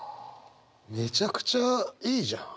めちゃくちゃいいじゃん。